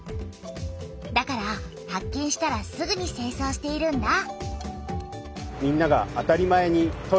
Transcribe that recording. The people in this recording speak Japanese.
だから発見したらすぐにせいそうしているんだ。